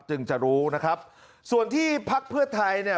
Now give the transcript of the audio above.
จึงจะรู้นะครับส่วนที่ภักดิ์เพื่อไทย